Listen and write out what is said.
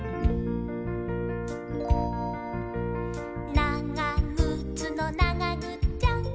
「ながぐつのながぐっちゃん！！」